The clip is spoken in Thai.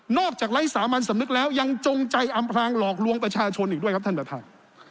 จากไร้สามัญสำนึกแล้วยังจงใจอำพลางหลอกลวงประชาชนอีกด้วยครับท่านประธาน